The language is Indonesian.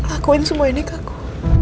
aku ingin semua ini ke aku